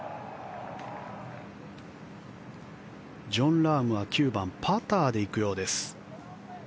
ジョン・ラームは９番パターで行くようです。